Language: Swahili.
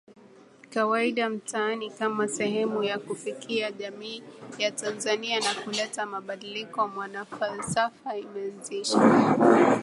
kawaida mtaani Kama sehemu ya kufikia jamii ya Tanzania na kuleta mabadiliko MwanaFalsafa imeanzisha